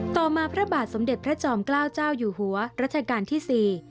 ต่อมาพระบาทสมเด็จพระจอมเกล้าเจ้าอยู่หัวรัชกาลที่๔